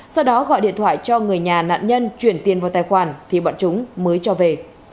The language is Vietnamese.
sau đó gọi điện thoại cho người nhà nạn nhân chuyển tiền vào tài khoản thì bọn chúng mới cho về